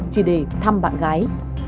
chỉ để thăm bạn gái